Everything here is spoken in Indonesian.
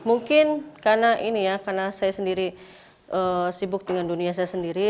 mungkin karena ini ya karena saya sendiri sibuk dengan dunia saya sendiri